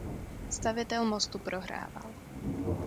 Stavitel mostu prohrával.